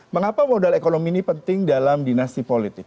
mengapa modal ekonomi ini penting dalam dinasti politik